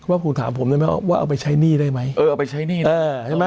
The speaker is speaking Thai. ว่าผมถามผมได้ไหมว่าเอาไปใช้หนี้ได้ไหมเออเอาไปใช้หนี้นะใช่ไหม